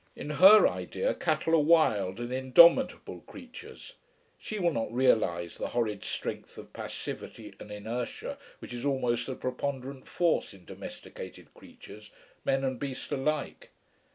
In her idea cattle are wild and indomitable creatures. She will not realise the horrid strength of passivity and inertia which is almost the preponderant force in domesticated creatures, men and beast alike.